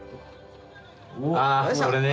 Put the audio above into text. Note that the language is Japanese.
ああこれね。